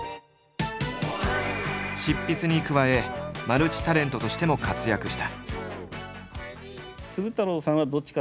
執筆に加えマルチタレントとしても活躍した。